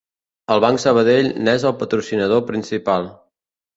El Banc Sabadell n’és el patrocinador principal.